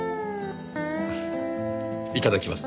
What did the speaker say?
いただきます。